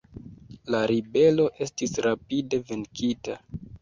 La ribelo estis rapide venkita.